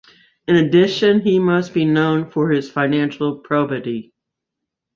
In addition he must be known for his financial probity.